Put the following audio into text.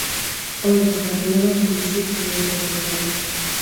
პოლიტ დაძაბულობა თბილისში ძლიერდებოდა.